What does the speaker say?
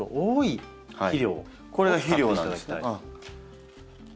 これが肥料なんですね。